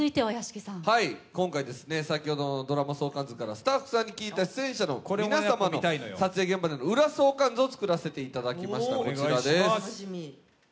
今回、ドラマ相関図からスタッフさんに聞いた、出演者の皆様の撮影現場のウラ相関図を作らせていただきました。